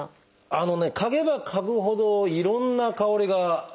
あのね嗅げば嗅ぐほどいろんな香りがしてきますね。